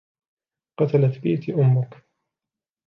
قتلت بيتي أمك.